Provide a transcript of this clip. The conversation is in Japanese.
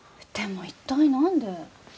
でも一体なんで？